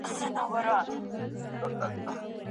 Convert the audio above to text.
موږ به نورو ته اجازه ورکړو چي خپله لاره غوره کړي.